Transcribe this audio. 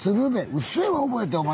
「うっせぇわ」は覚えてお前。